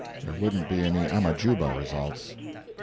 There wouldn't be any Amajuba results.